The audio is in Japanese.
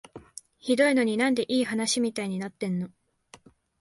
ひどいのに、なんでいい話みたいになってんの？